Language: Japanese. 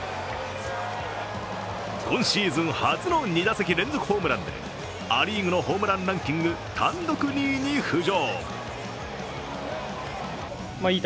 今シーズン初の２打席連続ホームランでア・リーグのホームランランキング単独２位に浮上。